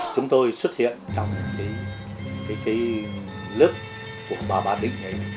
chúng tôi xuất hiện trong cái cái lớp của bà ba đinh ấy